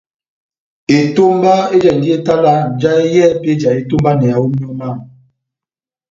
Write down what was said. Etomba ejahindi etalaha njahɛ yɛ́hɛ́pi éjahi etómbaneyaha ó míyɔ mámu.